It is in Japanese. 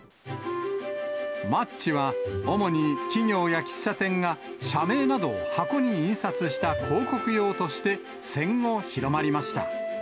マッチは、主に企業や喫茶店が社名などを箱に印刷した広告用として戦後、広まりました。